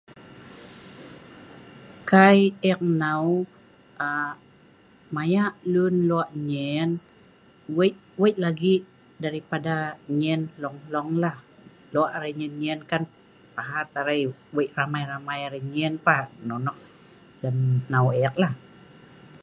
Kai eek nnau aa…maya luen loa’ nyien wei-wei lagi daripada nyien hloung-hluong lah. Loa’ arai nyien-nyien kan pahaat arai wei ramai-ramai arai nyien pah Nonoh lem nnau eek lah